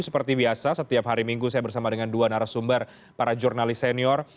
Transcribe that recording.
seperti biasa setiap hari minggu saya bersama dengan dua narasumber para jurnalis senior